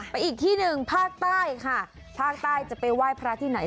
อีกที่หนึ่งภาคใต้ค่ะภาคใต้จะไปไหว้พระที่ไหน